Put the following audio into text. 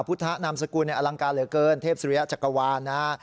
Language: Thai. พุทธนามสกุลเนี่ยอลังการเหลือเกินเทพศรียะจักรวาลนะ